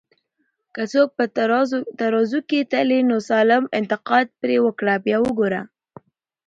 که څوک په ترازو کي تلې، نو سالم انتقاد پرې وکړه بیا وګوره